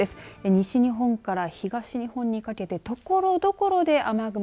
西日本から東日本にかけてところどころで雨雲